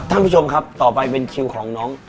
ทั้งร่วมครับต่อไปเป็นคิวคลุมของน้อง